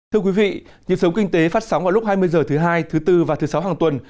thưa quý vị nhật sống kinh tế phát sóng vào lúc hai mươi h thứ hai thứ bốn và thứ sáu hàng tuần